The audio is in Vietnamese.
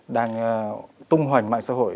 đang tung hoành mạng xã hội